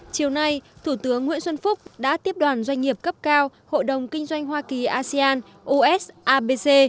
chiều nay thủ tướng nguyễn xuân phúc đã tiếp đoàn doanh nghiệp cấp cao hội đồng kinh doanh hoa kỳ asean us abc